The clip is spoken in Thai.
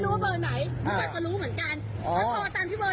ลองไว้ลูชับไว้มา